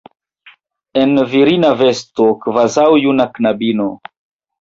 en virina vesto, kvazaŭ juna knabino.